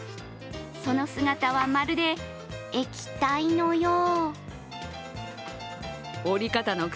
その姿は、まるで液体のよう。